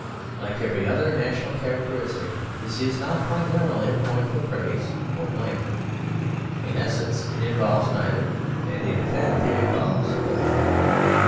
Like every other national characteristic, this is not primarily a point for praise or blame; in essence it involves neither and in effect it involves both.